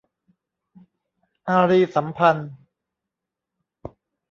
อารีย์สัมพันธ์